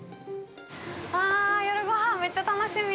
ああ、夜ごはん、めっちゃ楽しみ。